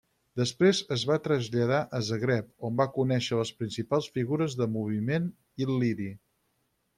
Després es va traslladar a Zagreb, on va conèixer les principals figures del moviment il·liri.